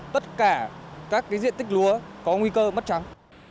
tất cả các diện tích lúa có nguy cơ mất trắng